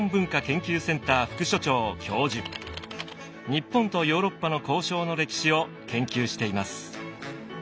日本とヨーロッパの交渉の歴史を研究しています。